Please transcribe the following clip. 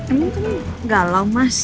ini kan galau mas